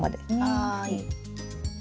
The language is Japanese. はい。